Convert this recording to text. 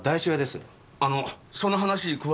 あのその話詳しく。